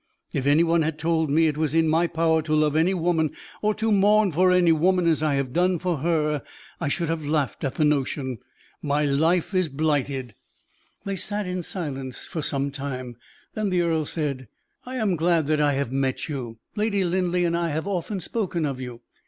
If any one had told me it was in my power to love any woman, or to mourn for any woman as I have done for her, I should have laughed at the notion. My life is blighted." They sat then in silence for some time; then the earl said: "I am glad that I have met you. Lady Linleigh and I have often spoken of you.